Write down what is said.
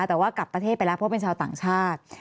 แต่ว่ากลับประเทศไปแล้วเพราะเป็นชาวต่างชาติ